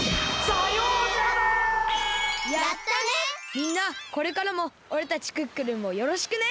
みんなこれからもおれたちクックルンをよろしくね！